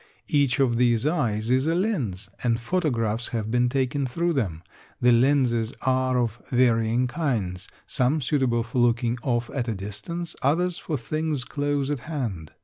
Each of these eyes is a lens and photographs have been taken through them. The lenses are of varying kinds some suitable for looking off at a distance, others for things close at hand.